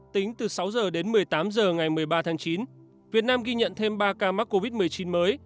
tính từ sáu h đến một mươi tám h ngày một mươi ba tháng chín việt nam ghi nhận thêm ba ca mắc covid một mươi chín mới